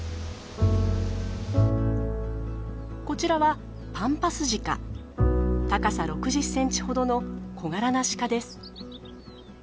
こちらは高さ６０ｃｍほどの小柄な鹿です。